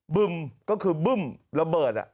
บึ้มก็คือบึ้มระเบิด